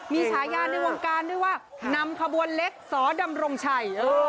มีฉายาในวงการด้วยว่านำขบวนเล็กสดำรงชัย